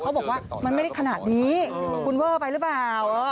บอกว่ามันไม่ได้ขนาดนี้คุณเวอร์ไปหรือเปล่า